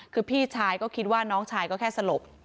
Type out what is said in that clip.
คือพี่ชายก็คิดว่าน้องชายก็แค่สลบ